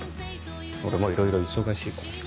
俺もいろいろ忙しいからさ。